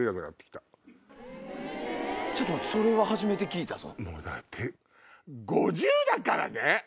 ちょっと待ってそれは初めて聞いたぞ。